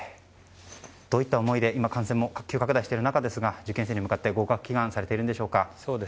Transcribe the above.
どういった思いで今、感染も急拡大している中受験生に向かって合格祈願されているんでしょうか。